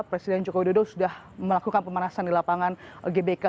presiden jokowi dodo sudah melakukan pemanasan di lapangan gbk